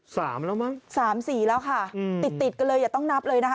สามแล้วมั้งสามสี่แล้วค่ะอืมติดติดกันเลยอย่าต้องนับเลยนะคะ